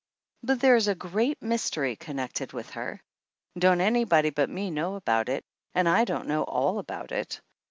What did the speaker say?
But there is a great mystery connected with her. Don't anybody but me know about it, and I don't know all about it.